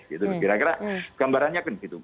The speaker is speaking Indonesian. kira kira gambarannya kan gitu